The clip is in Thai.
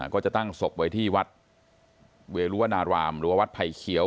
ก็จะตั้งศพไว้ที่วัดเวรุวนารามหรือว่าวัดไผ่เขียว